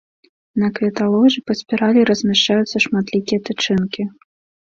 На кветаложы па спіралі размяшчаюцца шматлікія тычынкі.